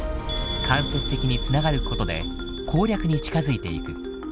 間接的に繋がることで攻略に近づいていく。